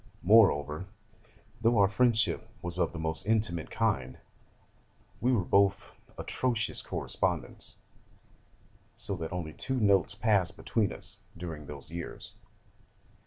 Moreover, though our friendship was of the most intimate kind, we were both atrocious correspondents: so that only two notes passed between us during those years.